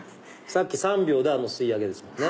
さっき３秒であの吸い上げですもんね。